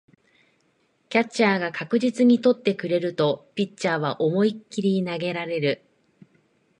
キャッチャーが確実に捕ってくれるとピッチャーは思いっきり投げられる